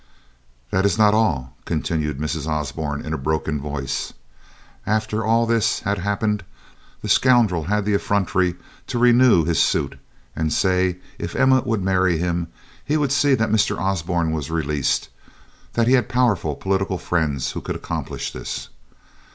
"That is not all," continued Mrs. Osborne, in a broken voice. "After all this had happened, the scoundrel had the effrontery to renew his suit, and say if Emma would marry him he would see that Mr. Osborne was released; that he had powerful political friends who could accomplish this.